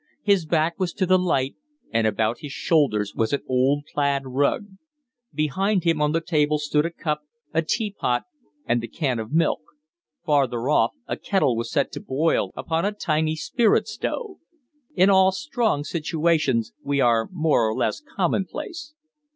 His back was to the light, and about his shoulders was an old plaid rug. Behind him on the table stood a cup, a teapot, and the can of milk; farther off a kettle was set to boil upon a tiny spirit stove. In all strong situations we are more or less commonplace.